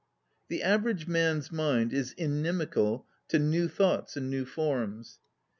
The average man's mind is inim ical to new thoughts and new forms.